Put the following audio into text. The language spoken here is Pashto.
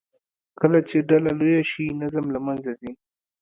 کله چې ډله لویه شي، نظم له منځه ځي.